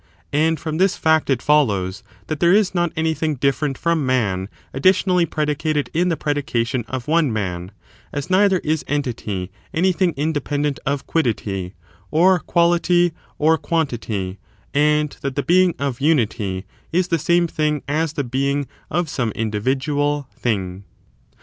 And from this feet it follows that there is not any thing different from man additionally predicated in the pre dication of one man, as neither is entity^ anything inde pendent of quiddity, or quality, or quantity, and that the being of unity is the same thing as the being of some indi vidual thing.